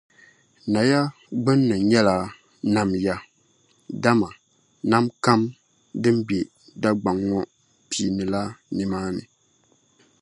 Naya gbinni nyɛla, “Nam ya” dama nam kam din be Dagbaŋ ŋɔ piinila nimaani.